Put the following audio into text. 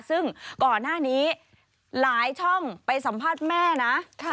ซึ่งก่อนหน้านี้หลายช่องไปสัมภาษณ์แม่นะ